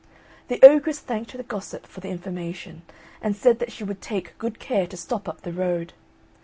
The ogress thanked the gossip for the information, and said that she would take good care to stop up the road.